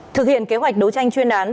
thực hiện kế hoạch đấu tranh chuyên án